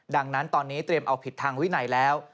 ดังนั้นตอนนี้เตรียมเอาผิดทางวินัยแล้ว